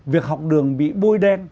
việc học đường bị bôi đen